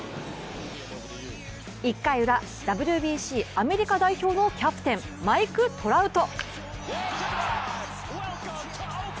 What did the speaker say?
１回ウラ、ＷＢＣアメリカ代表のキャプテン、マイク・トラウト。